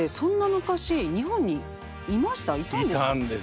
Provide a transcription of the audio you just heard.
いたんです。